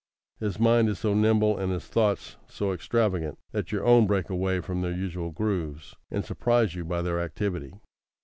His mind is so nimble and his thoughts so extravagant, that your own break away from their usual grooves, and surprise you by their activity.